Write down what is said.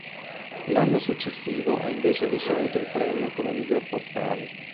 L'anno successivo ha invece ricevuto il premio come miglior portale.